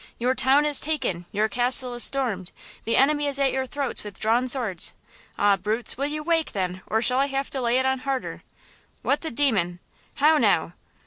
Your town is taken! Your castle is stormed! The enemy is at your throats with drawn swords! Ah, brutes, will you wake, then, or shall I have to lay it on harder?" "What the demon?" "How now?"